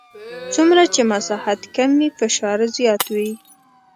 څومره چې مساحت کم وي فشار زیات وي.